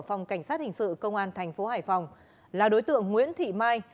phòng cảnh sát hình sự công an thành phố hải phòng là đối tượng nguyễn thị mai